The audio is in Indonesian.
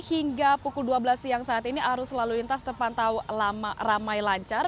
hingga pukul dua belas siang saat ini arus lalu lintas terpantau ramai lancar